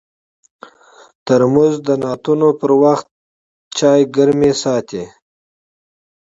ترموز د نعتونو پر وخت چای ګرم ساتي.